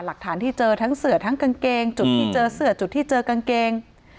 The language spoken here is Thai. หลักฐานที่เจอทั้งเสือทั้งกางเกงจุดที่เจอเสือจุดที่เจอกางเกง